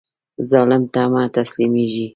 ظالم ته مه تسلیمیږئ